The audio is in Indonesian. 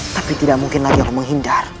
tapi tidak mungkin lagi aku menghindar